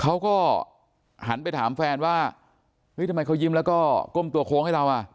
เขาก็หันไปถามแฟนว่าเฮ้ยทำไมเขายิ้มแล้วก็ก้มตัวโค้งให้เราอ่ะ